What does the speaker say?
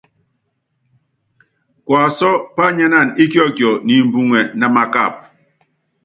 Kuasú pányánana íkiɔkiɔ ni imbuŋɛ, namakapa.